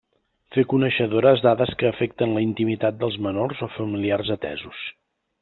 Fer coneixedores dades que afecten la intimitat dels menors o familiars atesos.